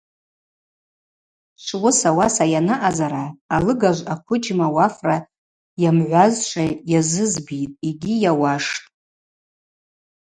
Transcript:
Швуыс ауаса йанаъазара, алыгажв аквыджьма уафра йамгӏвазшва йазызбитӏ йгьи йауаштӏ.